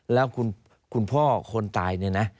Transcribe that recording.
แล้วคุณพ่อคนตายเนี่ยนะ